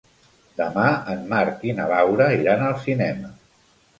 Demà en Marc i na Laura iran al cinema.